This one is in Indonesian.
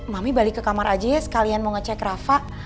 mami balik ke kamar aja ya sekalian mau ngecek rafa